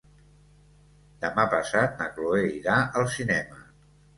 Demà passat na Chloé irà al cinema.